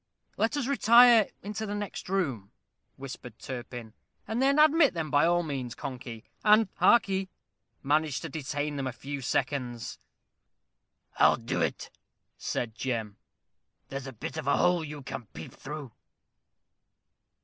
"Let us retire into the next room," whispered Turpin, "and then admit them by all means, Conkey. And, hark ye, manage to detain them a few seconds." "I'll do it," said Jem. "There's a bit of a hole you can peep through."